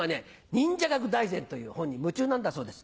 『忍者学大全』という本に夢中なんだそうです。